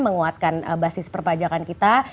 menguatkan basis perpajakan kita